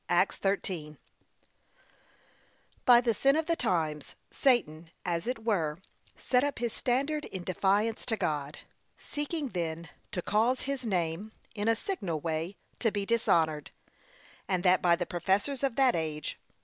(Acts 13) By the sin of the times, Satan, as it were, set up his standard in defiance to God; seeking then to cause his name, in a signal way, to be dishonoured, and that by the professors of that age.